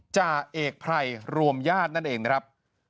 จ่าเอกไพรรวมญาตินั่นเองนะครับ